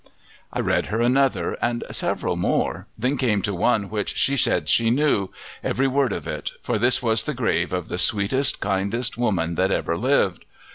I read her another and several more, then came to one which she said she knew every word of it, for this was the grave of the sweetest, kindest woman that ever lived.